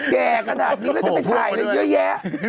แก่ขนาดนี้แล้วจะไปถ่ายอะไรเยอะแยะ